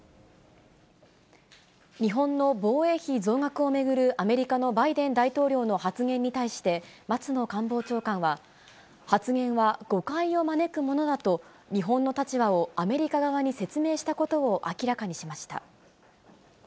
日本の防衛費増額を巡るアメリカのバイデン大統領の発言に対して、松野官房長官は、発言は誤解を招くものだと日本の立場をアメリカ側に説明したことを明らかにしました。